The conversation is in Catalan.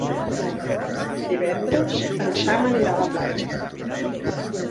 Divendres en Sam anirà a la platja.